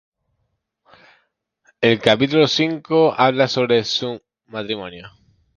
El "Capítulo Cinco" habla sobre su matrimonio.